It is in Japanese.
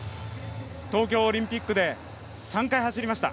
東京オリンピックで３回、走りました。